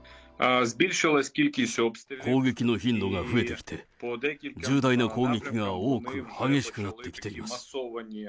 攻撃の頻度が増えてきて、重大な攻撃が多く、激しくなってきています。